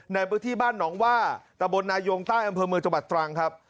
ในพื้นที่บ้านหนองว่าตะบลนายงใต้อำเภอเมืองจังหวัดตรังครับ